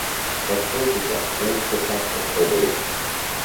Постойте-ка, я ещё так попробую.